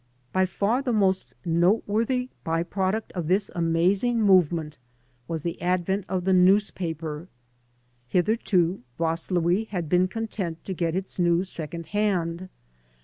By far the most noteworthy by product of this amazing movement was the advent of the newspaper. Hitherto Vaslui had been content to get its news second hand.